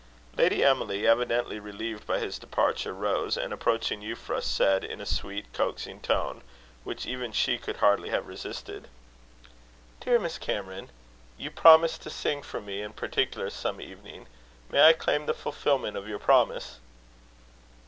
Lady Emily, evidently relieved by his departure, rose, and, approaching Euphra, said, in a sweet coaxing tone, which even she could hardly have resisted: "Dear Miss Cameron, you promised to sing, for me in particular, some evening. May I claim the fulfilment of your promise?"